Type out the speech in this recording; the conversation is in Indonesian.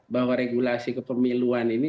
bahwa regulasi kepemiluan ini